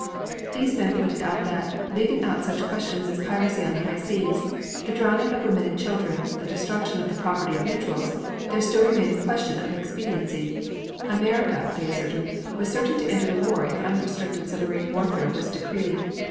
These men pointed out that, leaving out such questions as piracy on the high seas, the drowning of women and children, the destruction of the property of neutrals, there still remained the question of expediency. America, they asserted, was certain to enter the war if unrestricted submarine warfare was decreed.